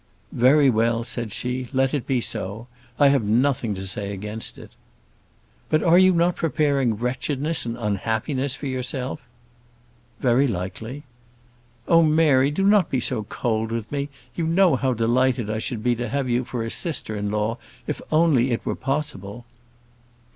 "Very well," said she, "let it be so. I have nothing to say against it." "But are you not preparing wretchedness and unhappiness for yourself?" "Very likely." "Oh, Mary, do not be so cold with me! you know how delighted I should be to have you for a sister in law, if only it were possible."